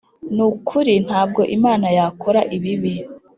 ni ukuri ntabwo imana yakora ibibi